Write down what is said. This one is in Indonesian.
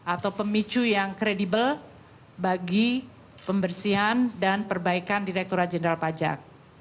atau pemicu yang kredibel bagi pembersihan dan perbaikan direkturat jenderal pajak